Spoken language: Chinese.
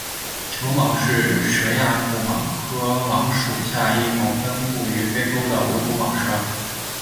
球蟒是蛇亚目蟒科蟒属下一种分布于非洲的无毒蟒蛇。